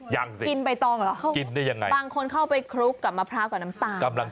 ยังสิต่างคนเข้าไปคลุกกับมะพร้ากับน้ำตาลใช่ไหม